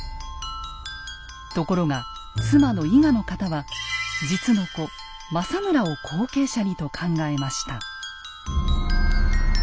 ところが妻の伊賀の方は実の子・政村を後継者にと考えました。